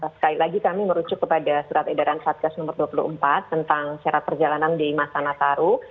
sekali lagi kami merujuk kepada surat edaran satgas nomor dua puluh empat tentang syarat perjalanan di masa nataru